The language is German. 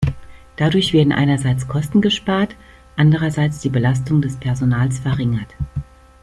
Dadurch werden einerseits Kosten gespart, andererseits die Belastung des Personals verringert.